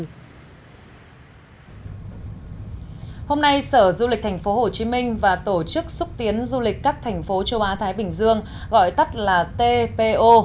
hôm nay sở du lịch tp hcm và tổ chức xúc tiến du lịch các thành phố châu á thái bình dương gọi tắt là tpo